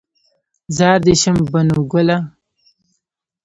زار دې شم بنو ګله